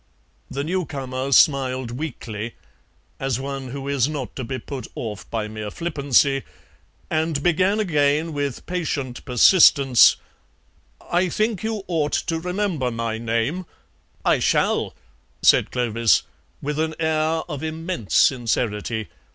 The new comer smiled weakly, as one who is not to be put off by mere flippancy, and began again with patient persistence: "I think you ought to remember my name " "I shall," said Clovis, with an air of immense sincerity.